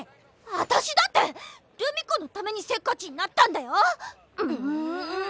私だって留美子のためにせっかちになったんだよ。